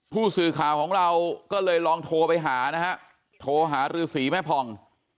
ผู้สื่อข่าวของเราก็เลยลองโทรไปหานะฮะโทรหารือสีแม่ผ่อง